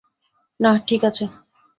নাহ, ঠিক আছে।